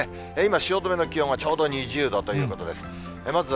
今、汐留の気温はちょうど２０度ということです。